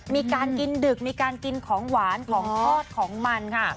มีการกินดึกมีการกินของหวานของทอดของมันค่ะ